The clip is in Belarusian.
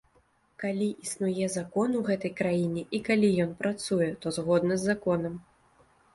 Калі існуе закон у гэтай краіне, і калі ён працуе, то згодна з законам.